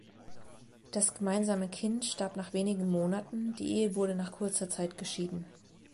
Das gemeinsame Kind starb nach wenigen Monaten, die Ehe wurde nach kurzer Zeit geschieden.